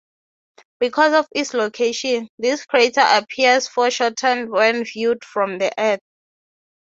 Because of its location, this crater appears foreshortened when viewed from the Earth.